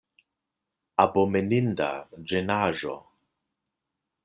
Abomeninda ĝenaĵo!